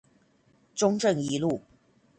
中正一路